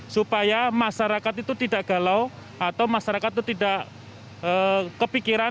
supaya masyarakat itu tidak galau atau masyarakat itu tidak kepikiran